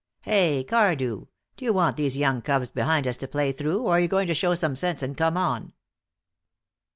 Hey, Cardew! D'you want these young cubs behind us to play through, or are you going to show some sense and come on?"